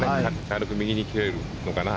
軽く右に切れるのかな。